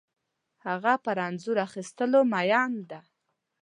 هغه پر انځور اخیستلو مین ده